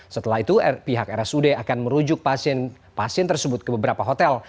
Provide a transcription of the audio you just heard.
setelah itu pihak rsud akan merujuk pasien tersebut ke beberapa hotel